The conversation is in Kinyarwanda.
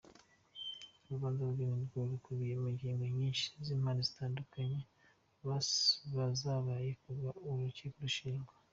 Urubanza rwe nirwo rukubiyemo ingingo nyinshi n’impande zitandukanye muzabaye kuva uru rukiko rwashingwa.